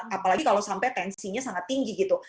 apalagi kalau sampai tensinya sangat tinggi gitu